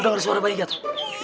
lu denger suara bayinya tuh